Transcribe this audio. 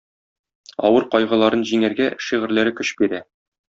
Авыр кайгыларын җиңәргә шигырьләре көч бирә.